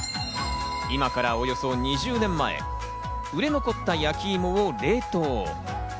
今からおよそ２０年前、売れ残った焼きいもを冷凍。